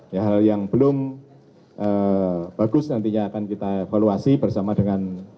ya hal yang belum bagus nantinya akan kita evaluasi bersama dengan